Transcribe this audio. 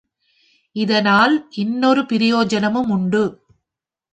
இதனால் இன்னொரு பிரயோஜனமும் உண்டு.